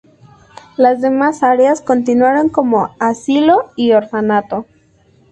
Las demás áreas continuaron como asilo y orfanato.